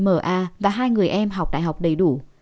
m a và hai người em học đại học đầy đủ